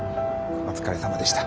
お疲れさまでした。